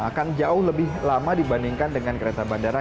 akan jauh lebih lama dibandingkan dengan kereta bandara